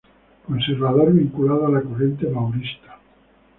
Conservador vinculado a la corriente maurista.